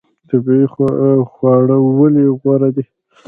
طبیعي خواړه ولې غوره دي؟